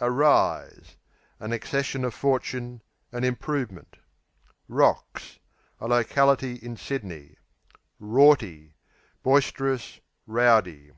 Rise, a An accession of fortune; an improvement. Rocks A locality in Sydney. Rorty Boisterous; rowdy.